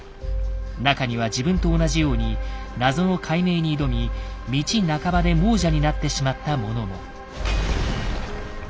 中には自分と同じように謎の解明に挑み道半ばで亡者になってしまった者も。